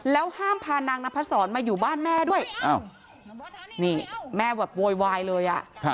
แล้วห้ามพานางนพศรมาอยู่บ้านแม่ด้วยนี่แม่แบบโวยวายเลยอ่ะ